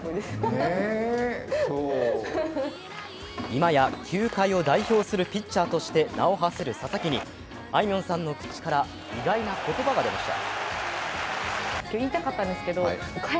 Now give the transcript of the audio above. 今や球界を代表するピッチャーとして名をはせる佐々木にあいみょんさんの口から意外な言葉が出ました。